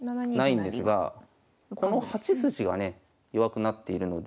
ないんですがこの８筋がね弱くなっているので。